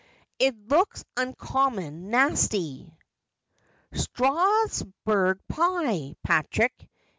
'It looks uncommon nasty.' 'Strasburg pie, Patrick.